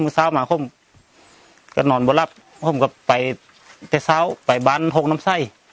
เช้ามาผมก็นอนบนรับผมก็ไปแต่เช้าไปบ้านหกน้ำไส้